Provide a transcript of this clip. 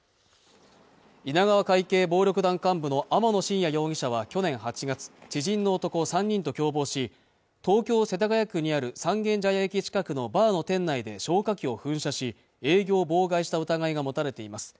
稲川会系暴力団幹部の天野信也容疑者は去年８月知人の男３人と共謀し東京世田谷区にある三軒茶屋駅近くのバーの店内で消火器を噴射し営業を妨害した疑いが持たれています